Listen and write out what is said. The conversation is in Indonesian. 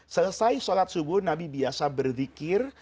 selesai salat subuh nabi biasa berdikir